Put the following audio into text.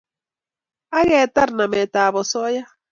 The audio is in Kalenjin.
Ak ketar nametab osoya